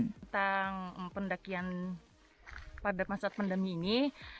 tentang pendakian pada masa pandemi ini